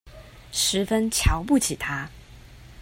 十分瞧不起他